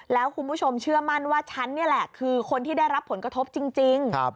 แล้วคุณผู้ชมเชื่อมั่นว่าฉันนี่แหละคือคนที่ได้รับผลกระทบจริง